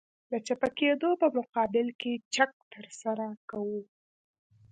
د چپه کېدو په مقابل کې چک ترسره کوو